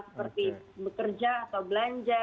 seperti bekerja atau belanja